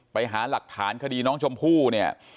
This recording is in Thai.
ไปหาหลักฐานคดีน้องชมพู่เนี่ย